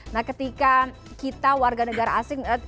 nah ketika kita warga negara asing